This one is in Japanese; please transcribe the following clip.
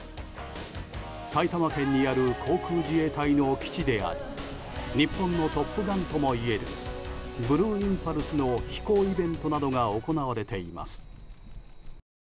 埼玉県にある航空自衛隊の基地であり日本のトップガンともいえるブルーインパルスの飛行イベントなどが行われています。